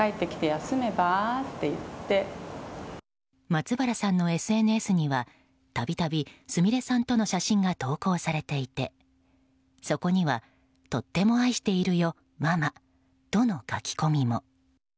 松原さんのＳＮＳには度々、すみれさんとの写真が投稿されていてそこにはとっても愛しているよ、ママとの書き込みも。